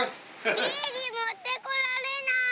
じいじもってこられない。